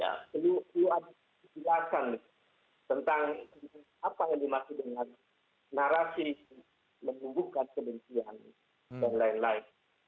ya perlu ada kejelasan tentang apa yang dimaksud dengan narasi menumbuhkan kebencian dan lain lain